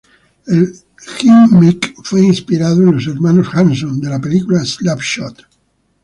El gimmick fue inspirado en los Hermanos Hanson, de la película Slap Shot.